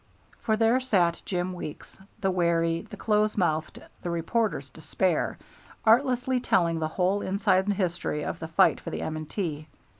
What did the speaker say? For there sat Jim Weeks, the wary, the close mouthed, the reporter's despair, artlessly telling the whole inside history of the fight for the M. & T.